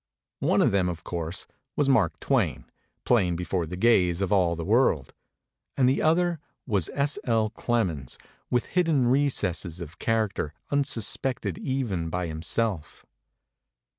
One of them, of course, was Mark Twain, plain before the gaze of all the 284 MEMORIES OF MARK TWAIN world; and the other was S. L. Clemens with hidden recesses of character unsuspected even by himself.